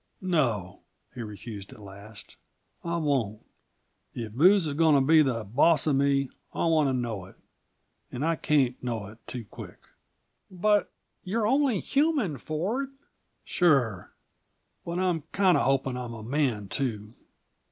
"No," he refused at last, "I won't. If booze is going to be the boss of me I want to know it. And I can't know it too quick." "But you're only human, Ford!" "Sure. But I'm kinda hoping I'm a man, too."